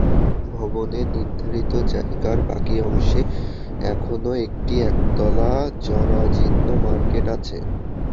ভবনের নির্ধারিত জায়গার বাকি অংশে এখনো একটি একতলা জরাজীর্ণ মার্কেট আছে।